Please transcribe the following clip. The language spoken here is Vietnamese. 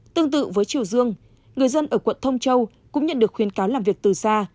tương tự với triều dương người dân ở quận thông châu cũng nhận được khuyến cáo làm việc từ xa